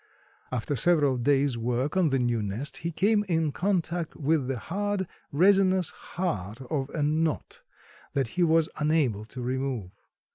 After several days' work on the new nest, he came in contact with the hard resinous heart of a knot that he was unable to remove.